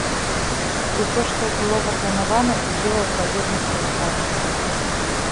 Усё, што было запланавана, ідзе ў адпаведнасці з графікамі.